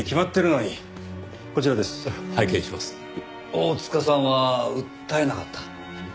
大塚さんは訴えなかった？